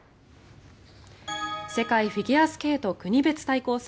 世界フィギュアスケート国別対抗戦。